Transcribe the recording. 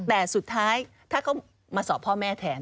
แต่สุดท้ายถ้าเขามาสอบพ่อแม่แทน